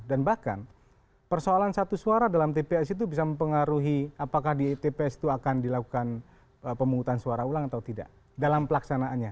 dan bahkan persoalan satu suara dalam tps itu bisa mempengaruhi apakah di tps itu akan dilakukan pemungutan suara ulang atau tidak dalam pelaksanaannya